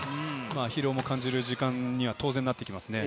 疲労も感じる時間には当然なってきますね。